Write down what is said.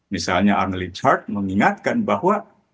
misalnya arnold leachart mengingatkan bahwa